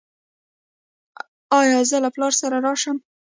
ایا زه له پلار سره راشم؟